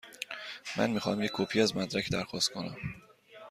من می خواهم یک کپی از مدرک درخواست کنم.